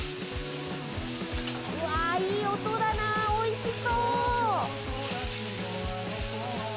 いい音だな、おいしそう！